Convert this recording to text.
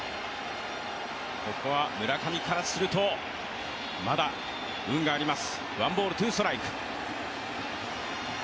ここは村上からすると、まだ運があります。